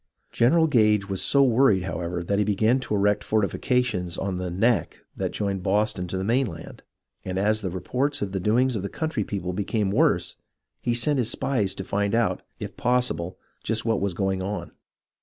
General Gage was so worried, however, that he began to erect fortifications on the " neck " that joined Boston to the mainland; and as the reports of the doings of the country people became worse, he sent out his spies to find out, if possible, just what was going on.